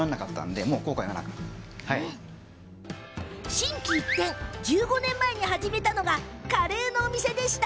心機一転、１５年前に始めたのがカレーのお店でした。